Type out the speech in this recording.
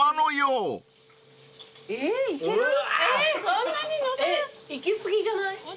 えっいき過ぎじゃない？